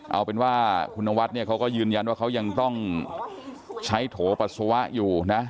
เอาเป็นว่าคุณนวัดเนี่ยเขาก็ยืนยันว่าเขายังต้องใช้โถปัสสาวะอยู่นะ